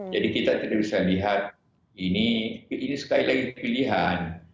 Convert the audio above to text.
jadi kita tidak bisa lihat ini sekali lagi pilihan